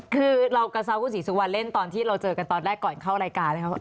คือเรากับสาวฮุศิสุวรรณ์เล่นตอนที่เราเจอกันตอนแรกก่อนเข้ารายการ